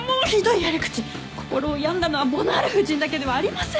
心を病んだのはボナール夫人だけではありません！